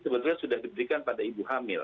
sebetulnya sudah diberikan pada ibu hamil